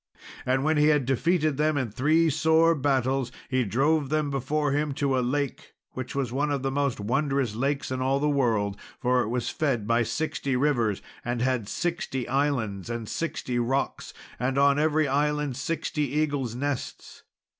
And when he had defeated them in three sore battles, he drove them before him to a lake, which was one of the most wondrous lakes in all the world, for it was fed by sixty rivers, and had sixty islands, and sixty rocks, and on every island sixty eagles' nests.